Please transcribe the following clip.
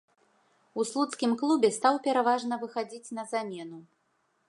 У слуцкім клубе стаў пераважна выхадзіць на замену.